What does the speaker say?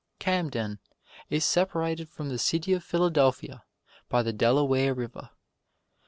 Camden is separated from the city of Philadelphia by the Delaware River.